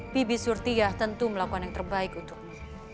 bibi surtiyah tentu melakukan yang terbaik untukmu